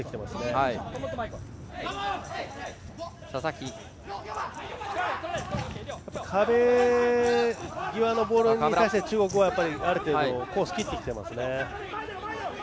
あと壁際のボールに対して中国はある程度コースを切ってきていますね。